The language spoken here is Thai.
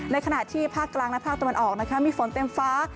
ขณะที่ภาคกลางและภาคตะวันออกนะคะมีฝนเต็มฟ้า